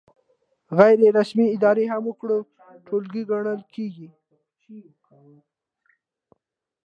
غیر رسمي اداره هم د وګړو ټولګه ګڼل کیږي.